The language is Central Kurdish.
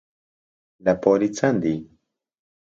لە پۆلی چەندی؟